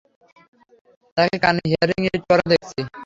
তাকে কানে hearing aid পরা দেখেছি।